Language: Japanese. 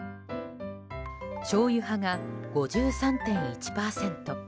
しょうゆ派が５３．１％。